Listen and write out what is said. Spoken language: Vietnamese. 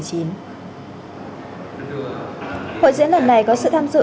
hội diễn lần này có sự tham dự